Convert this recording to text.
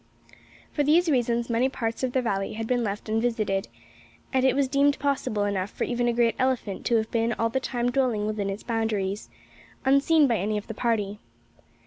For these reasons many parts of the valley had been left unvisited; and it was deemed possible enough for even a great elephant to have been all the time dwelling within its boundaries, unseen by any of the party.